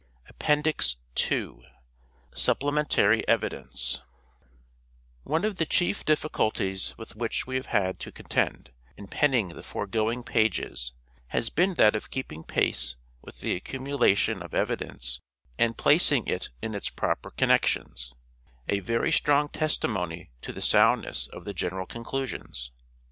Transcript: APPENDIX II SUPPLEMENTARY EVIDENCE ONE of the chief difficulties with which we have had to contend in penning the foregoing pages has been that of keeping pace with the accumulation of evidence and placing it in its proper connections : a very strong testimony to the soundness of the general conclusions.